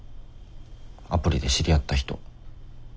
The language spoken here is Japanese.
アプリで知り合った人。